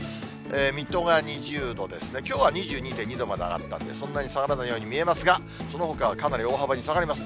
水戸が２０度ですね、きょうは２２．２度まで上がったんで、そんなに下がらないように見えますが、そのほかはかなり大幅に下がります。